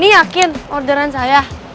ini yakin orderan saya